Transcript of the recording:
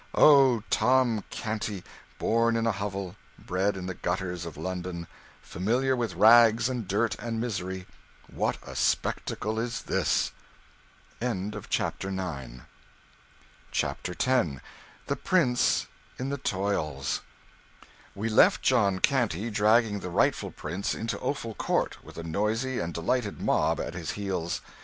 O Tom Canty, born in a hovel, bred in the gutters of London, familiar with rags and dirt and misery, what a spectacle is this! CHAPTER X. The Prince in the toils. We left John Canty dragging the rightful prince into Offal Court, with a noisy and delighted mob at his heels.